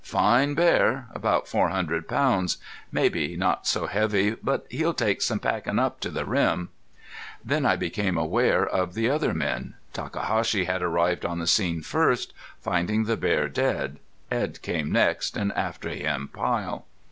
"Fine bear. About four hundred pounds. Maybe not so heavy. But he'll take some packin' up to the rim!" Then I became aware of the other men. Takahashi had arrived on the scene first, finding the bear dead. Edd came next, and after him Pyle.